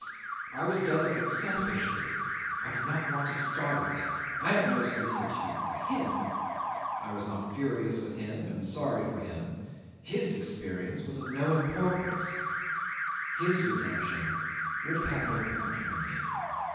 I was delicate selfishly; I did not want to startle him; I had no solicitude for him; I was not furious with him and sorry for him: his experience was of no importance, his redemption would have had no point for me.